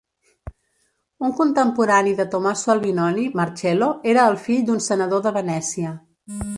Un contemporani de Tomaso Albinoni, Marcello, era el fill d'un senador de Venècia.